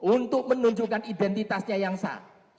untuk menunjukkan identitasnya yang sah